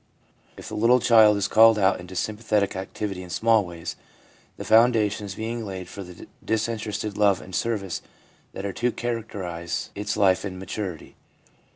If the little child is called out into sympathetic activity in small ways, the foundations are being laid for the disinterested love and service that are to char acterise its life in maturity.